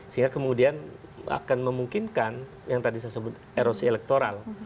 yang akan memungkinkan yang tadi saya sebut erosi elektoral